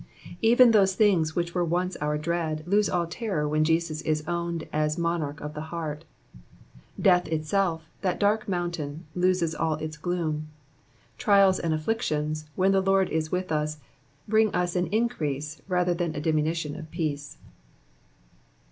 Even those things which were once our dread, lose all terror when Jesus is owned as monarch of the heart : death itself, that dark moun tain, loses all its gloom. Trials and afflictions, when the Lord is with us, bring us ao increase rather than a diminution of peace.